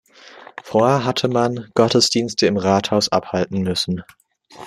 Vorher hatte man Gottesdienste im Rathaus abhalten müssen.